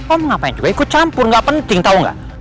om ngapain juga ikut campur gak penting tau gak